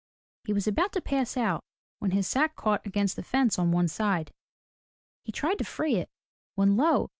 He was about to pass out when his sack caught against the fence on one side. He tried to free it, when lo!